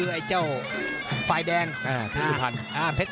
นักมวยจอมคำหวังเว่เลยนะครับ